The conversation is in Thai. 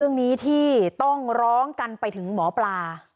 เรื่องนี้ที่ต้องร้องกันไปถึงหมอปลา